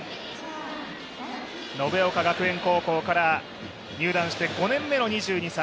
延岡学園高校から入団して５年目の２２歳。